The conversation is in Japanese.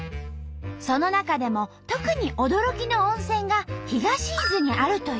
その中でも特に驚きの温泉が東伊豆にあるという。